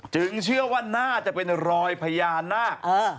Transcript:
เชื่อว่าน่าจะเป็นรอยพญานาค